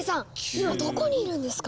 今どこにいるんですか？